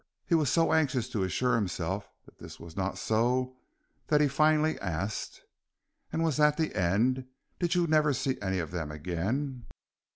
He was so anxious to assure himself that this was not so, that he finally asked: "And was that the end? Did you never see any of them again?"